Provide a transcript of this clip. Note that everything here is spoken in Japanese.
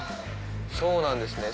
そうなんですね。